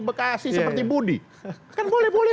bekasi seperti budi kan boleh boleh